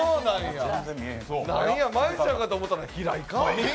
なんや、真悠ちゃんかと思ったら平井か。